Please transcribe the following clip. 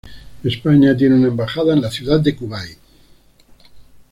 España tiene una embajada en la Ciudad de Kuwait.